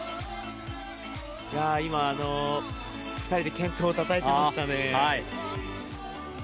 ２人で健闘をたたえていましたね。